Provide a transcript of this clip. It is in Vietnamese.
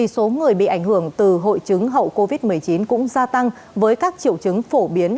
số người bị ảnh hưởng từ hội chứng hậu covid một mươi chín cũng gia tăng với các triệu chứng phổ biến